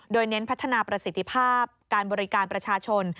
โดยเน้นพัฒนาประสิทธิภาพการบริการประชาชน